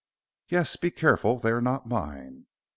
"Yes. Be careful. They are not mine."